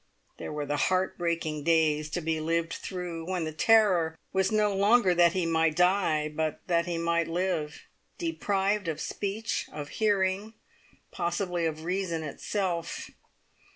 There were heart breaking days to be lived through, when the terror was no longer that he might die, but that he might live deprived of speech, of hearing, possibly of reason itself.